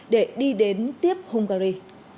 để đi đến tiếp hungary